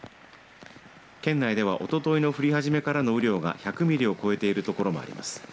県内ではおとといの降り始めからの雨量が１００ミリを超えているところもあります。